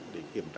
để kiểm tra